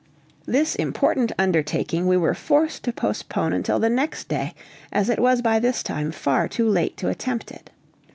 This important undertaking we were forced to postpone until the next day, as it was by this time far too late to attempt it.